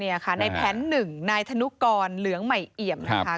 นี่ค่ะในแผนหนึ่งนายธนุกรเหลืองใหม่เอี่ยมนะคะ